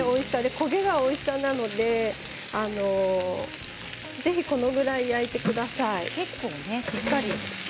焦げがおいしさになるのでぜひこれぐらい焼いてください。